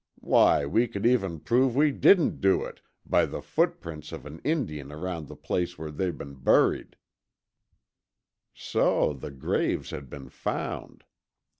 Why, we could even prove we didn't do it, by the footprints of an Indian around the place where they've been buried." So the graves had been found.